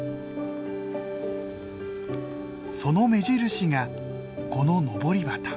その目印がこののぼり旗。